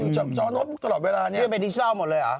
จอโน้ตตลอดเวลาเนี้ย